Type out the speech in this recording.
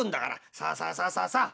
さあさあさあさあさあ！